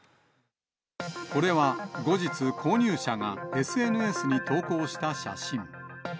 これは後日、購入者がＳＮＳに投稿した写真。